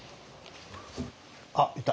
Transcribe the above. あっいた。